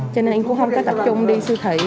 cho nên em cũng không có tập trung đi siêu thị